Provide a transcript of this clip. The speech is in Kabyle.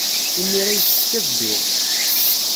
Imir-a yessefk ad dduɣ.